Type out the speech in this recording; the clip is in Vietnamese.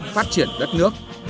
phát triển đất nước